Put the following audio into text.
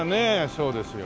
そうですよ。